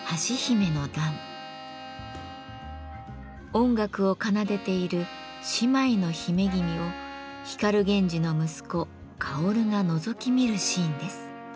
音楽を奏でている姉妹の姫君を光源氏の息子・薫がのぞき見るシーンです。